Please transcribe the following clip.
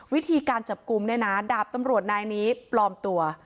วิธีการจับกลุ่มเนี่ยนะดาบตำรวจนายนี้ปลอมตัว